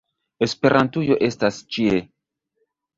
- Esperantujo estas ĉie!